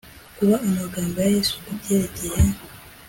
kuba amagambo ya yesu ku byerekeye